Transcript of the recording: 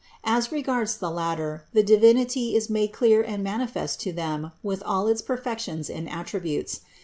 As regards the latter, the Divinity is made clear and manifest to them with all its perfections and attributes.